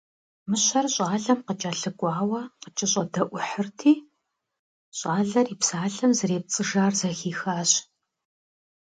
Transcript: Мыщэр щӏалэм къыкӏэлъыкӏуауэ къакӏэщӏэдэӏухьырти, щӏалэр и псалъэм зэрепцӏыжар зэхихащ.